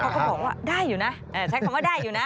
ก็บอกว่าได้อยู่นะใช้คำว่าได้อยู่นะ